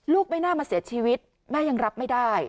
ไม่น่ามาเสียชีวิตแม่ยังรับไม่ได้